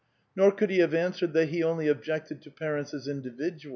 Nor could he liave answered that he only objected to parents as individur.